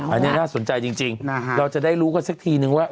อันนี้น่าสนใจจริงเราจะได้รู้กันสักทีนึงว่า